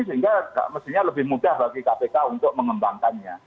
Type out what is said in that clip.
sehingga mestinya lebih mudah bagi kpk untuk mengembangkannya